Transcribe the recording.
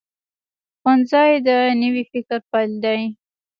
ښوونځی د نوي فکر پیل دی